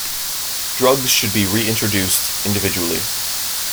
Drugs should be re-introduced individually.